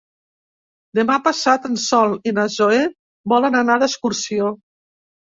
Demà passat en Sol i na Zoè volen anar d'excursió.